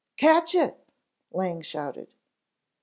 "Catch it," Lang shouted.